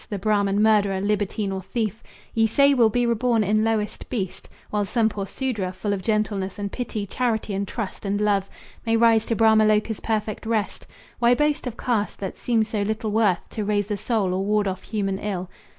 The Brahman murderer, libertine or thief Ye say will be reborn in lowest beast, While some poor Sudra, full of gentleness And pity, charity and trust and love, May rise to Brahma Loca's perfect rest, Why boast of caste, that seems so little worth To raise the soul or ward off human ill?